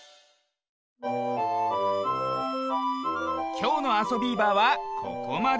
きょうの「あそビーバー」はここまで。